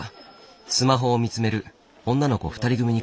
スマホを見つめる女の子２人組に声をかけた。